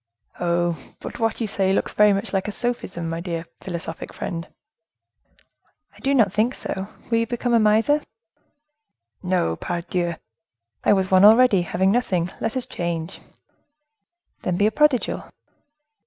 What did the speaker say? "Oh! but what you say looks very much like a sophism, my dear philosophic friend." "I do not think so. Will you become a miser?" "No, pardieu! I was one already, having nothing. Let us change." "Then be prodigal."